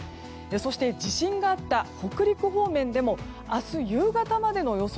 そして地震があった北陸方面でも明日までの予想